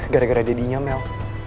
gara gara jadinya mel